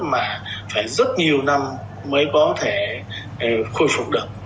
mà phải rất nhiều năm mới có thể khôi phục được